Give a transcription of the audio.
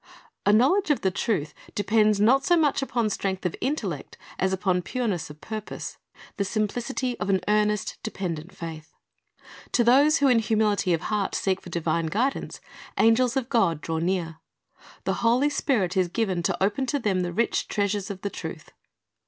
"^ A knowledge of the truth depends not so much upon strength of intellect as upon pureness of purpose, the sim plicity of an earnest, dependent faith. To those who in humility of heart seek for divine guidance, angels of God draw near. The Holy Spirit is given to open to them the rich treasures of the truth.